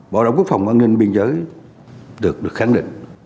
bộ đồng quốc phòng an ninh biên giới được khẳng định